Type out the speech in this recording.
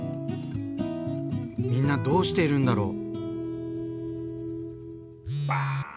みんなどうしているんだろう？